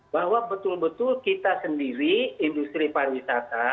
bahwa betul betul kita sendiri industri pariwisata